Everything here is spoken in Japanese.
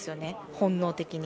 本能的に。